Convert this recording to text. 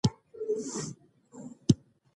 تر ناهیلۍ د ناهیلۍ خپرول بد دي.